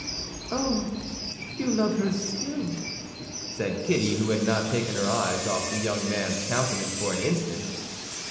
"Oh, you love her still," said Kitty, who had not taken her eyes off the young man's countenance for an instant.